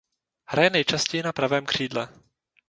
Hraje nejčastěji na pravém křídle.